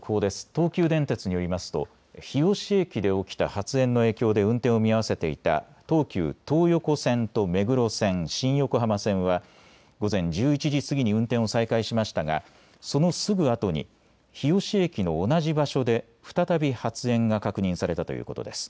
東急電鉄によりますと日吉駅で起きた発煙の影響で運転を見合わせていた東急東横線と目黒線、新横浜線は午前１１時過ぎに運転を再開しましたが、そのすぐあとに日吉駅の同じ場所で再び発煙が確認されたということです。